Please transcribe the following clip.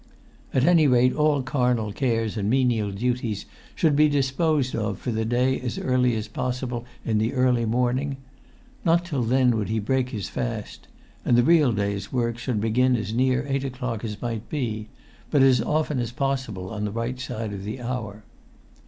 ... At any rate all carnal cares and menial duties should be disposed of for the day as early as possible in the early morning; not till then would he break his fast; and the real day's work should begin as near eight o'clock as might be, but as often as possible on the right side of the hour.